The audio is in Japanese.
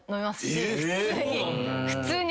普通に。